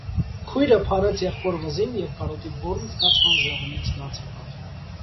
Քույրը փարեց եղբոր վզին և կարոտի բուռն զգացման զեղումից լաց եղավ: